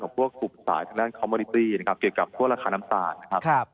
เกี่ยวกับท่านของสาธารณ์โครมนิตี้เกี่ยวกับภูระคาน้ำตาลนะครับ